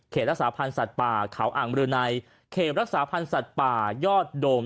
รักษาพันธ์สัตว์ป่าเขาอ่างบรือในเขตรักษาพันธ์สัตว์ป่ายอดโดม